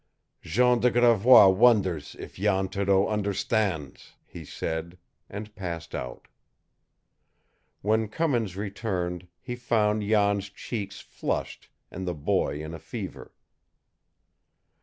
"Jean de Gravois wonders if Jan Thoreau understands?" he said, and passed out. When Cummins returned, he found Jan's cheeks flushed and the boy in a fever.